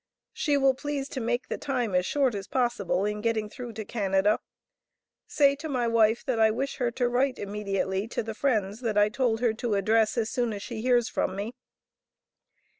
She will please to make the time as short as possible in getting through to Canada. Say to my wife that I wish her to write immediately to the friends that I told her to address as soon as she hears from me.